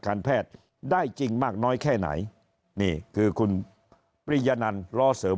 การแพทย์ได้จริงมากน้อยแค่ไหนนี่คือคุณปริยนันล้อเสริม